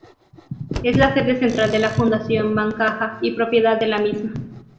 Es la sede central de la fundación Bancaja y propiedad de la misma.